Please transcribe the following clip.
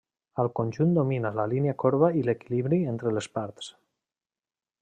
Al conjunt domina la línia corba i l'equilibri entre les parts.